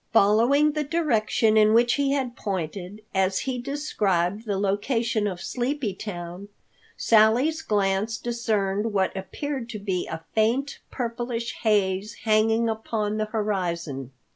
Following the direction in which he had pointed as he described the location of Sleepy Town, Sally's glance discerned what appeared to be a faint, purplish haze hanging upon the horizon.